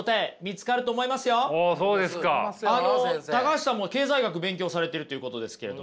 橋さんも経済学勉強されてるっていうことですけれども。